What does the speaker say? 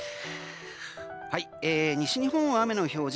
西日本は雨の表示